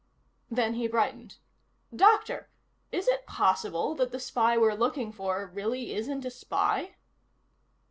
Then he brightened. "Doctor, is it possible that the spy we're looking for really isn't a spy?"